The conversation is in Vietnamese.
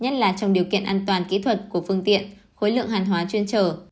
nhất là trong điều kiện an toàn kỹ thuật của phương tiện khối lượng hàng hóa chuyên trở